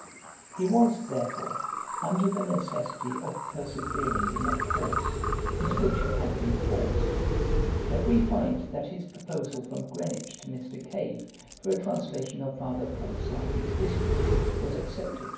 ] He was, therefore, under the necessity of persevering in that course, into which he had been forced; and we find, that his proposal from Greenwich to Mr. Cave, for a translation of Father Paul Sarpi's History, was accepted.